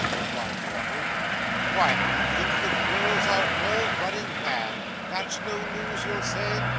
replied Wardle. 'Why, I think the girls are all running mad; that's no news, you'll say?